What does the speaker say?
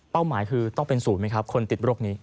หมายคือต้องเป็นศูนย์ไหมครับคนติดโรคนี้